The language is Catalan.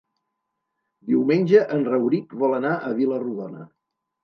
Diumenge en Rauric vol anar a Vila-rodona.